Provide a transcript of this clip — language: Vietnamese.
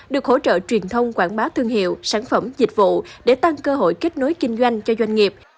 được hỗ trợ truyền thông quảng bá thương hiệu sản phẩm dịch vụ để tăng cơ hội kết nối kinh doanh cho doanh nghiệp